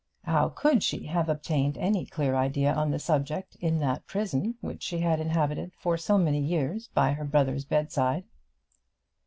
How could she have obtained any clear idea on the subject in that prison which she had inhabited for so many years by her brother's bedside?